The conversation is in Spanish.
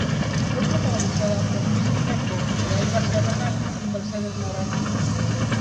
Fue protagonizada por Luis Gnecco, Gael García Bernal y Mercedes Morán.